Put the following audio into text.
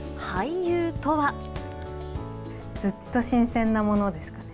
ずっと新鮮なものですかね。